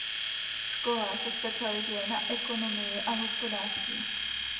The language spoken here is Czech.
Škola se specializuje na ekonomii a hospodářství.